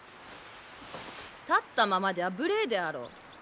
立ったままでは無礼であろう。